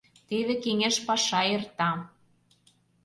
Теве кеҥеж паша эрта.